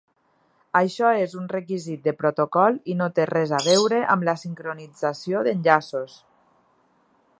Això és un requisit de protocol i no té res a veure amb la sincronització d'enllaços.